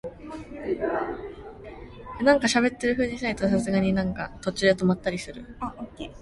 아까 예배당에서 내가 베낀 것은 알레그로가 거의 끝난 곳부터였으므로 그전 것을 베끼기 위해서였습니다.